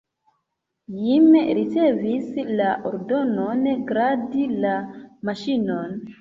Jim ricevis la ordonon gardi la maŝinon.